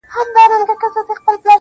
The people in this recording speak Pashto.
سیاه پوسي ده، افغانستان دی.